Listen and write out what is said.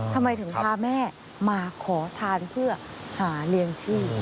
ทำไมถึงพาแม่มาขอทานเพื่อหาเลี้ยงชีพ